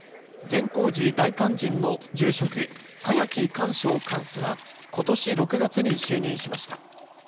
善光寺大勧進の住職、栢木寛照貫主はことし６月に就任しました。